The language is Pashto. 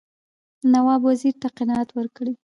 نواب وزیر ته قناعت ورکړي.